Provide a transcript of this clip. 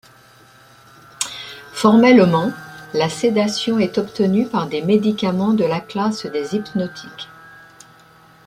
Formellement, la sédation est obtenue par des médicaments de la classe des hypnotiques.